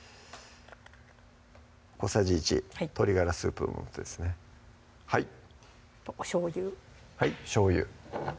小さじ１鶏ガラスープの素ですねおしょうゆはいしょうゆ